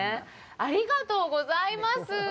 ありがとうございます。